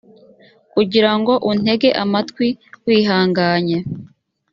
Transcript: kugira ngo untege amatwi wihanganye